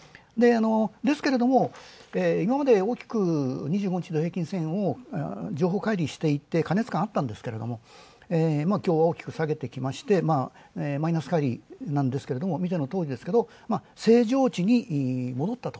ですが、今まで大きく２５日の平均線を情報化入りしていて過熱感あったんですが今日は大きく下げてきましてマイナス乖離見てのとおりですが、正常値に戻ったと。